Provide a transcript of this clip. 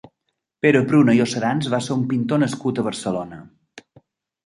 Pere Pruna i Ocerans va ser un pintor nascut a Barcelona.